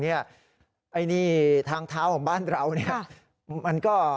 ไอ้ทางเท้าของบ้านเรา